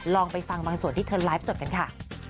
ลองไปฟังบางส่วนที่เทินน์ไลฟ์ส่วนกันค่ะ